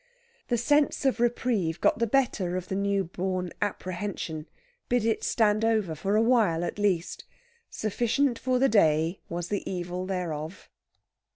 The sense of reprieve got the better of the new born apprehension bid it stand over for a while, at least. Sufficient for the day was the evil thereof.